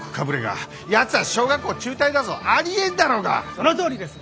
そのとおりです！